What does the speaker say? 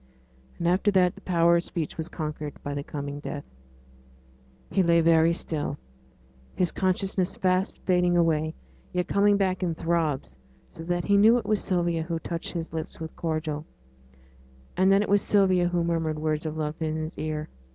And after that the power of speech was conquered by the coming death. He lay very still, his consciousness fast fading away, yet coming back in throbs, so that he knew it was Sylvia who touched his lips with cordial, and that it was Sylvia who murmured words of love in his ear.